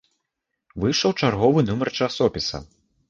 Выйшаў чарговы нумар часопіса.